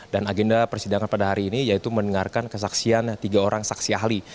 dan agenda persidangan pada hari ini yaitu mendengarkan kesaksian tiga orang saksi ahli